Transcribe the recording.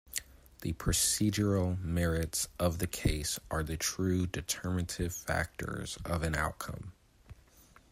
The procedural merits of the case are the true determinative factors of an outcome.